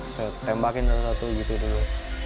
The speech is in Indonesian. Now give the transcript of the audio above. saya tembakin satu gitu dulu